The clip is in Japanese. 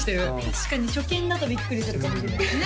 確かに初見だとビックリするかもしれないですね